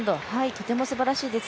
とてもすばらしいです